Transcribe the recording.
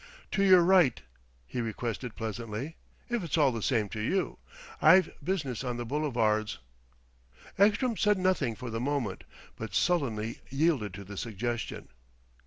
"To your right," he requested pleasantly "if it's all the same to you: I've business on the Boulevards..." Ekstrom said nothing for the moment, but sullenly yielded to the suggestion.